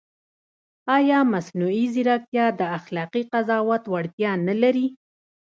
ایا مصنوعي ځیرکتیا د اخلاقي قضاوت وړتیا نه لري؟